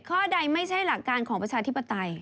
ข้อใดไม่ใช่หลักการของประชาธิปไตย